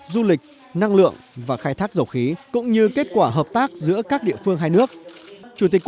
du lịch năng lượng và khai thác dầu khí cũng như kết quả hợp tác giữa các địa phương hai nước chủ tịch